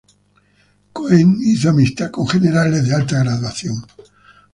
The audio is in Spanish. Cohen hizo amistad con generales de alta graduación.